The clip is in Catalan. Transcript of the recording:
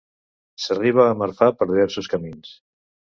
S'arriba a Marfà per diversos camins.